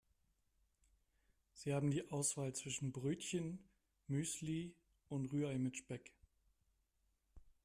Sie haben die Auswahl zwischen Brötchen, Müsli und Rührei mit Speck.